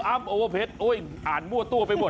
อ้ำโอเวอร์เพชรอ้อยอ่านมั่วตัวไปหมดแล้ว